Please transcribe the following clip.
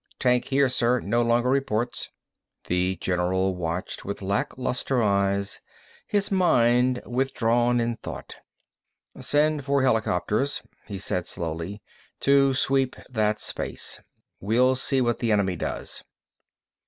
"Tank here, sir, no longer reports." The general watched with lack luster eyes, his mind withdrawn in thought. "Send four helicopters," he said slowly, "to sweep that space. We'll see what the enemy does."